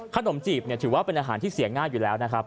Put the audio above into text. จีบถือว่าเป็นอาหารที่เสียง่ายอยู่แล้วนะครับ